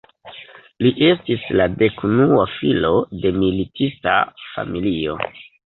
Li estis la dekunua filo de militista familio.